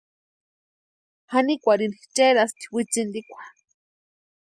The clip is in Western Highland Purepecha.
Janikwarini cherasti witsintikwa.